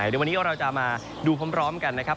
เดี๋ยววันนี้เราจะมาดูพร้อมกันนะครับ